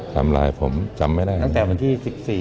ทำร้ายผมจำไม่ได้ตั้งแต่วันที่๑๔